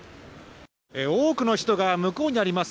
多くの人が向こうにあります